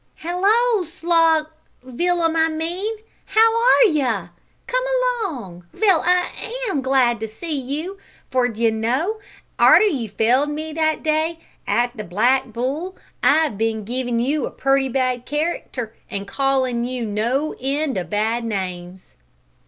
"Hallo! Slog Villum I mean; how are you? Come along. Vell, I am glad to see you, for, d'you know, arter you failed me that day at the Black Bull, I have bin givin' you a pretty bad character, an' callin' you no end o' bad names."